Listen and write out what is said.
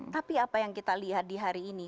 tapi apa yang kita lihat di hari ini